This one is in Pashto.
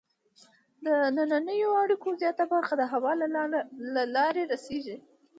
د دنننیو اړیکو زیاته برخه د هوا له لارې رسیږي.